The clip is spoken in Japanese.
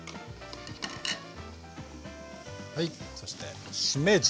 はいそしてしめじ。